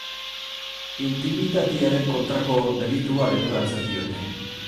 Intimitatearen kontrako delitua leporatzen diote.